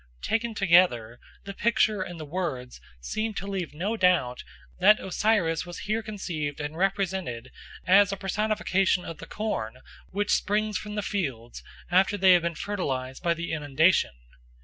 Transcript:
Taken together, the picture and the words seem to leave no doubt that Osiris was here conceived and represented as a personification of the corn which springs from the fields after they have been fertilised by the inundation.